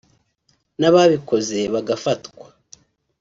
n’ababikoze bagafatwa